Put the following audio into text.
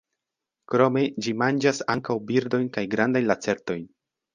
Krome ĝi manĝas ankaŭ birdojn kaj grandajn lacertojn.